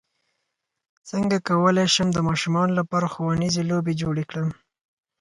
څنګه کولی شم د ماشومانو لپاره ښوونیزې لوبې جوړې کړم